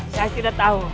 saya tidak tahu